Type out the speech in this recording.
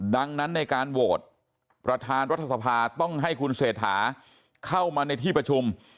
ดังนั้นในการโหวตประธานรัฐสภาต้องให้คุณเศรษฐาเข้ามาในที่ประชุม